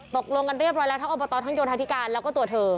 ตกลงกันเรียบร้อยแล้วทั้งอบตทั้งโยธาธิการแล้วก็ตัวเธอ